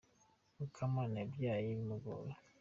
Mukamana yabyaye bimugoye.